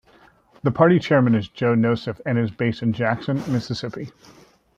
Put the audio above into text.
The party chairman is Joe Nosef and is based in Jackson, Mississippi.